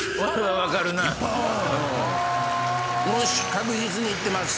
確実にいってます。